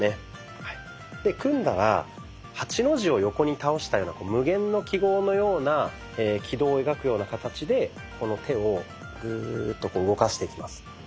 で組んだら８の字を横に倒したような無限の記号のような軌道を描くような形でこの手をグーッと動かしていきます。